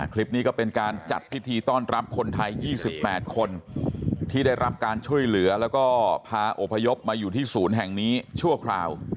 คลิปนี้ก็เป็นการจัดพิธีต้อนรับคนไทย๒๘คนที่ได้รับการช่วยเหลือแล้วก็พาอพยพมาอยู่ที่ศูนย์แห่งนี้ชั่วคราว